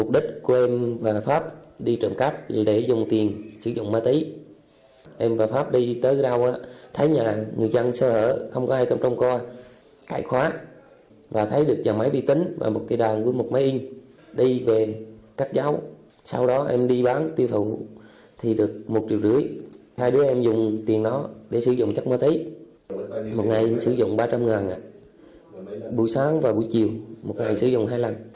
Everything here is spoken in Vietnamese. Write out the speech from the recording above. để sử dụng chất ma túy một ngày sử dụng ba trăm linh ngàn buổi sáng và buổi chiều một ngày sử dụng hai lần